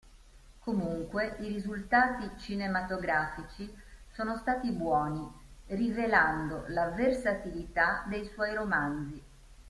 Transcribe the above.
Comunque i risultati cinematografici sono stati buoni, rivelando la versatilità dei suoi romanzi.